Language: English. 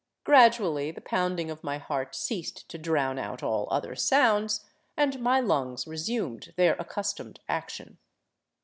Gradually the pounding of my heart ceased to drown out all other sounds, and my lungs resumed their accustomed action.